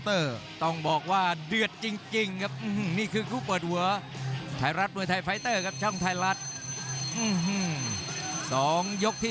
เป็นต้นไปสนับสนุนโดย